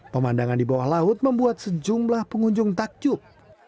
pemandangan di bawah laut membuat sejumlah pengunjung takjub